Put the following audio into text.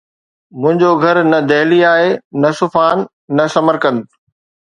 منهنجو گهر نه دهلي آهي نه صفحان نه سمرقند